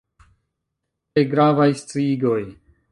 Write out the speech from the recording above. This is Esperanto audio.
Tre gravaj sciigoj.